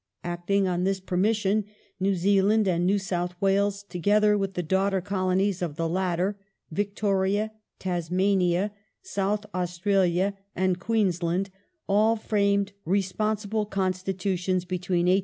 Acting on this permis sion New Zealand and New South Wales, together with the daughter Colonies of the latter— Victoria, Tasmania, South Australia, and Queensland — all framed " responsible " constitutions between 1854 and 1859.